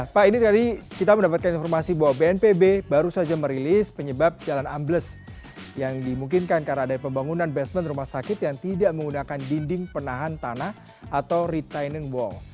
pak ini tadi kita mendapatkan informasi bahwa bnpb baru saja merilis penyebab jalan ambles yang dimungkinkan karena ada pembangunan basement rumah sakit yang tidak menggunakan dinding penahan tanah atau retaining wall